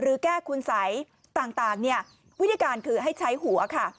แก้คุณสัยต่างเนี่ยวิธีการคือให้ใช้หัวค่ะ